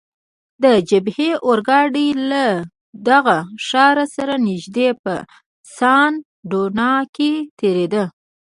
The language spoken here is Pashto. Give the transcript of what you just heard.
د جبهې اورګاډی له دغه ښار سره نږدې په سان ډونا کې تیریده.